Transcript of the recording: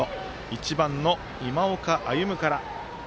１番の今岡歩夢から。